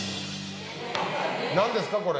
何ですかこれ？